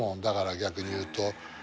だから逆に言うと。